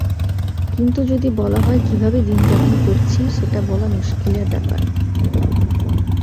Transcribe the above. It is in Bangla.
কিন্তু যদি বলা হয়, কীভাবে দিন যাপন করছি, সেটা বলা মুশকিলের ব্যাপার।